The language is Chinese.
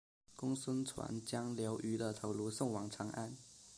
公孙瓒将刘虞的头颅送往长安。